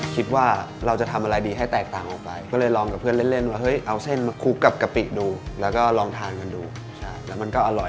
คิดว่าเราจะทำอะไรดีให้แตกต่างออกไปก็เลยลองกับเพื่อนเล่นว่าเฮ้ยเอาเส้นมาคลุกกับกะปิดูแล้วก็ลองทานกันดูแล้วมันก็อร่อย